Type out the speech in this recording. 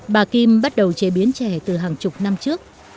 bà kim bắt đầu chế biến chè từ hàng chục năm trước